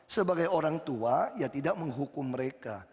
sebagai orang tua ya tidak menghukum mereka